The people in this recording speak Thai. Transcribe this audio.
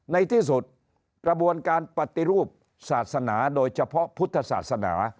ในที่สุดกระบวนการปฏิรูปศาสนาโดยเฉพาะพุทธศาสนา